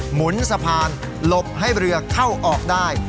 หมุนสะพานหลบให้เรือเข้าออกได้